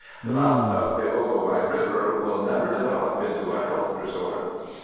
The mouth of the Ogowai River will never develop into a health resort."